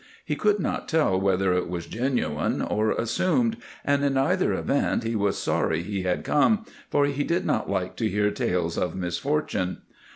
He could not tell whether it was genuine or assumed, and in either event he was sorry he had come, for he did not like to hear tales of misfortune.